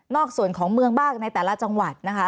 ส่วนของเมืองบ้างในแต่ละจังหวัดนะคะ